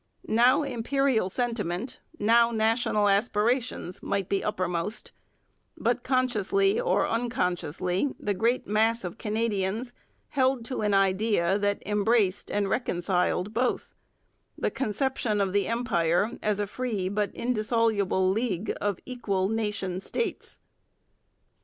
Now imperial sentiment, now national aspirations, might be uppermost, but consciously or unconsciously the great mass of Canadians held to an idea that embraced and reconciled both, the conception of the Empire as a free but indissoluble league of equal nation states.